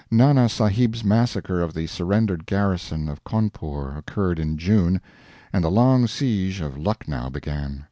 Nana Sahib's massacre of the surrendered garrison of Cawnpore occurred in June, and the long siege of Lucknow began.